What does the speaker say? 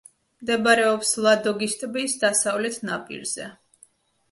მდებარეობს ლადოგის ტბის დასავლეთ ნაპირზე.